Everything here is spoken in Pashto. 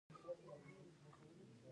د مطالعاتو پر بنسټ یوازې یوه خبره کوو.